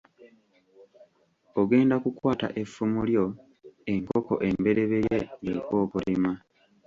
Ogenda kukwata effumu lyo, enkoko embereberye bw’ekookolima.